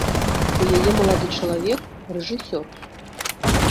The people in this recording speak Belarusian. У яе малады чалавек, рэжысёр.